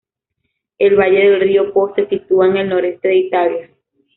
El valle del río Po se sitúa en el noreste de Italia.